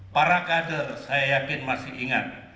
para kader saya yakin masih ingat